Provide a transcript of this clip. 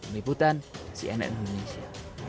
meliputan cnn indonesia